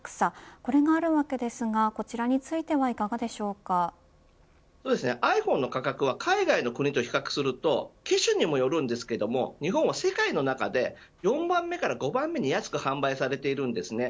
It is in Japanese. これがあるわけですがこちらについてはｉＰｈｏｎｅの価格は海外の国と比較すると機種にもよりますが日本は世界の中で４番目から５番目に安く販売されているんですね。